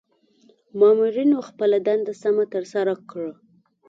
مامورنیو خپله دنده سمه ترسره کړه.